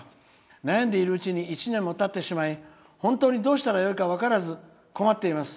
悩んでいるうちに１年もたってしまい本当にどうしたらいいか分からず困っております。